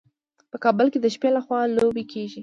په کابل کې د شپې لخوا لوبې کیږي.